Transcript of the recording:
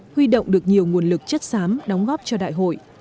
huy động được nhiều nguồn lực chất xám đóng góp cho đại hội